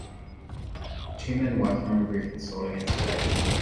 Two men working on a roof installing insulation.